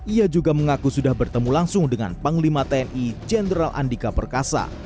ia juga mengaku sudah bertemu langsung dengan panglima tni jenderal andika perkasa